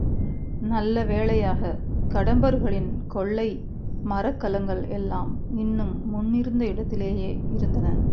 நல்ல வேளையாகக் கடம்பர்களின் கொள்ளை மரக்கலங்கள் எல்லாம் இன்னும் முன்னிருந்த இடத்திலேயே இருந்தன.